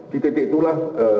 di titik itulah eee